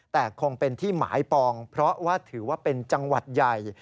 แต่คงเป็นที่หมายปองเพราะว่าถือว่าเป็นจังหวัดใหญ่